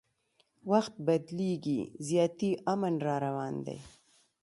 وخت بدلیږي زیاتي امن راروان دی